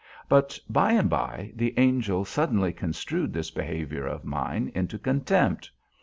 But, by and by, the Angel suddenly construed this behavior of mine into contempt.